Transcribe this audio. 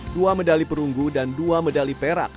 dua medali perunggu dan dua medali perak